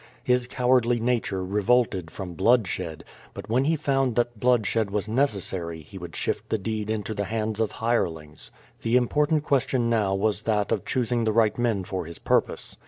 His cowardly nature revolted from bloodshed, but when he found that blooddied was necessary he would shift the deed into the hands of hire QUO VA DIS, 135 lings. The important question now was that of choosing the right men for his purpose.